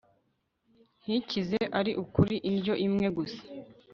ntikize ari ukuri Indyo imwe gusa